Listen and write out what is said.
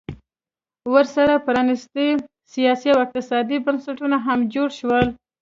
ورسره پرانیستي سیاسي او اقتصادي بنسټونه هم جوړ شول